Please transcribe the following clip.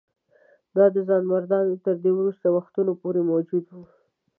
دا ځوانمردان تر دې وروستیو وختونو پورې موجود وه.